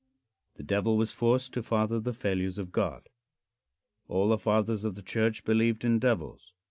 The Devil, was Forced to Father the Failures of God. All the fathers of the church believed in devils.